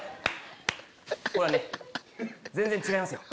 ほらね全然違いますよ。